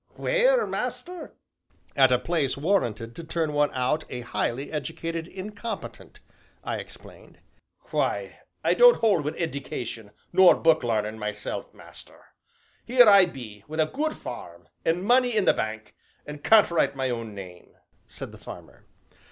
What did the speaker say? "Where, master?" "At a place warranted to turn one out a highly educated incompetent," I explained. "Why, I don't hold wi' eddication nor book larnin', myself, master. Here I be wi' a good farm, an' money in the bank, an' can't write my own name," said the farmer.